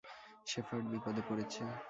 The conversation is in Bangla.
শেফার্ড বিপদে পড়েছে!